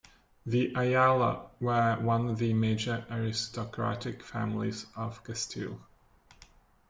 The Ayala were one of the major aristocratic families of Castile.